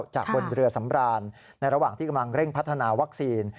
จากบนเรือสำราญในระหว่างที่กำลังเร่งพัฒนาวัคซีน